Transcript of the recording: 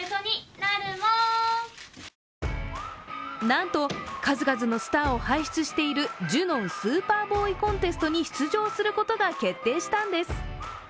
なんと、数々のスターを輩出しているジュノン・スーパーボーイ・コンテストに出場することが決定したんです。